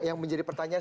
yang menjadi pertanyaan